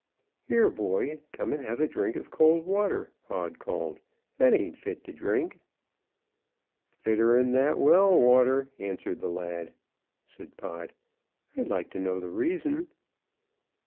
"Here, boy, come and have a drink of cold water!" Pod called. "That ain't fit to drink." "Fitter'n that well water," answered the lad. Said Pod: "I'd like to know the reason."